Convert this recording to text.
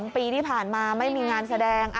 ปีที่ผ่านมาไม่มีงานแสดง